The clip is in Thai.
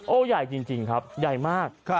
ใหญ่จริงครับใหญ่มาก